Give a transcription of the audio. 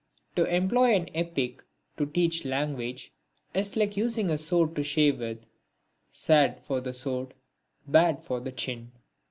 To employ an epic to teach language is like using a sword to shave with sad for the sword, bad for the chin.